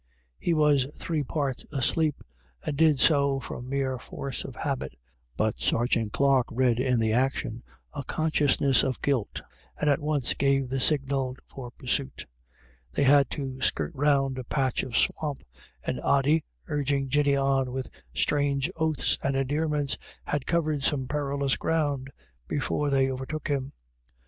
He was three parts asleep, and did so from mere force of habit ; but Sergeant Clarke read in the action a consciousness of guilt, and at once gave the signal for pursuit They had to skirt round a patch of swamp, and Ody, urging Jinny on with strange oaths and endearments, had covered some perilous ground before they overtook him.